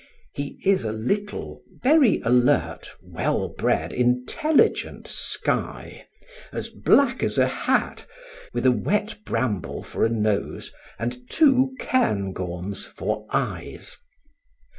He is a little, very alert, well bred, intelligent Skye, as black as a hat, with a wet bramble for a nose and two cairn gorms for eyes.